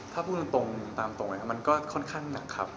ถามว่าไหวไหมถ้าพูดตรงมันก็ค่อนข้างหนักครับ